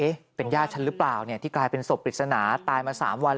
หลังจากพบศพผู้หญิงปริศนาตายตรงนี้ครับ